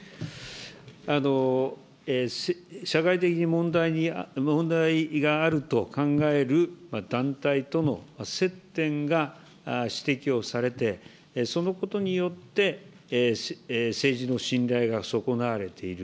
社会的に問題があると考える団体との接点が指摘をされて、そのことによって、政治の信頼が損なわれている。